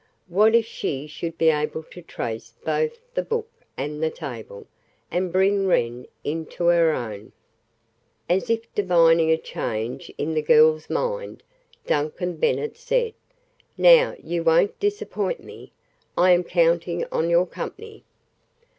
What if she should be able to trace both the book and the table! And bring Wren into her own! As if divining a change in the girl's mind, Duncan Bennet said: "Now, you won't disappoint me? I am counting on your company."